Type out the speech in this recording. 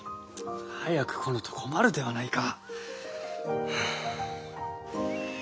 早く来ぬと困るではないか。